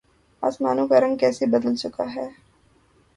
آسمانوں کا رنگ کیسے بدل چکا ہے۔